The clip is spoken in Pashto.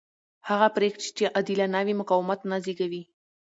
هغه پرېکړې چې عادلانه وي مقاومت نه زېږوي